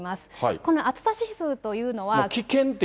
この暑さ指数というのは。